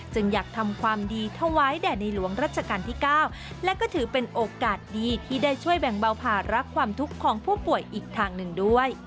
จึงอยากทำความดีถวายแด่ในหลวงรัชกาลที่๙และก็ถือเป็นโอกาสดีที่ได้ช่วยแบ่งเบาภาระความทุกข์ของผู้ป่วยอีกทางหนึ่งด้วย